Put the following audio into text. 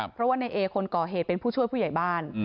เพราะว่าในเอคนก่อเหตุเป็นผู้ช่วยผู้ใหญ่บ้าน